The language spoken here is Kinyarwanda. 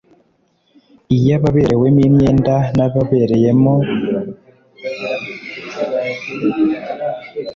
iyo ababerewemo imyenda n ababereyemo